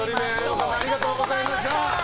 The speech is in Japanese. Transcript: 熊倉さんありがとうございました。